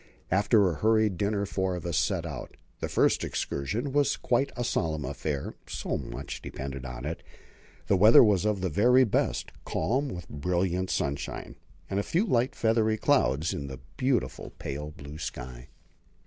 After a hurried dinner four of us set out. This first excursion was quite a solemn affair; so much depended on it. The weather was of the very best, calm with brilliant sunshine, and a few light, feathery clouds in the beautiful, pale blue sky.